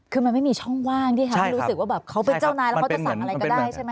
คือมันไม่มีช่องว่างที่ทำให้รู้สึกว่าแบบเขาเป็นเจ้านายแล้วเขาจะสั่งอะไรก็ได้ใช่ไหม